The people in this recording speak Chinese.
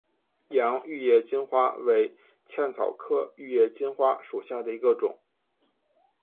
洋玉叶金花为茜草科玉叶金花属下的一个种。